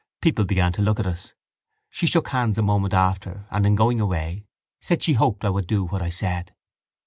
People began to look at us. She shook hands a moment after and, in going away, said she hoped I would do what I said.